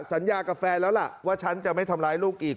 สัญญากับแฟนแล้วล่ะว่าฉันจะไม่ทำร้ายลูกอีก